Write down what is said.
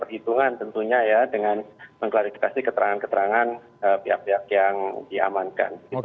perhitungan tentunya ya dengan mengklarifikasi keterangan keterangan pihak pihak yang diamankan